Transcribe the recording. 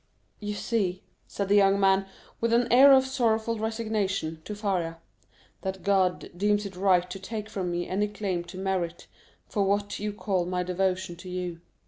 "You see," said the young man, with an air of sorrowful resignation, to Faria, "that God deems it right to take from me any claim to merit for what you call my devotion to you.